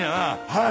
はい。